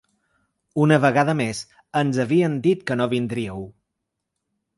Una vegada més, ens havien dit que no vindríeu.